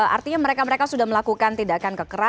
artinya mereka mereka sudah melakukan tindakan kekerasan